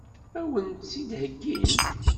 Ad wen-tt-id-heggint?